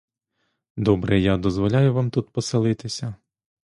Добре, я дозволяю вам тут поселитися.